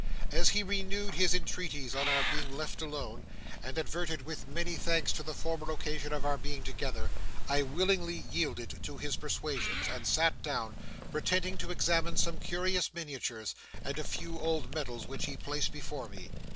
As he renewed his entreaties on our being left along, and adverted with many thanks to the former occasion of our being together, I willingly yielded to his persuasions, and sat down, pretending to examine some curious miniatures and a few old medals which he placed before me.